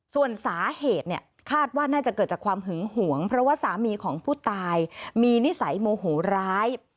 ส่วนสาเหตุเนี่ยคาดว่าน่าจะเกิดจากความหึงหวงเพราะว่าสามีของผู้ตายมีนิสัยโมโหร้าย